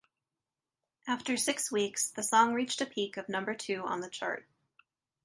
After six weeks, the song reached a peak of number two on the chart.